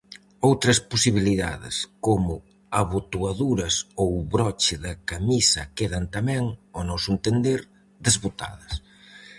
Outras posibilidades, como abotoaduras ou broche da camisa quedan tamén, ó noso entender, desbotadas.